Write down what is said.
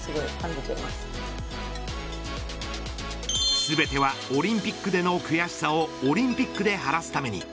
全てはオリンピックでの悔しさをオリンピックで晴らすために。